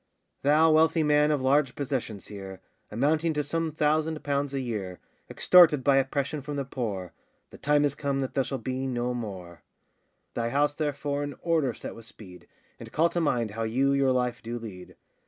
THOU wealthy man of large possessions here, Amounting to some thousand pounds a year, Extorted by oppression from the poor, The time is come that thou shalt be no more; Thy house therefore in order set with speed, And call to mind how you your life do lead.